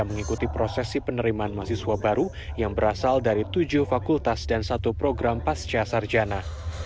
mengikuti prosesi penerimaan mahasiswa baru yang berasal dari tujuh fakultas dan satu program pasca sarjana